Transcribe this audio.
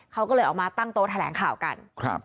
เขาก็เลยออกมาตั้งโต๊ะแถลงข่าวกัน